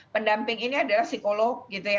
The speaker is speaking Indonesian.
pendamping ini adalah psikolog gitu ya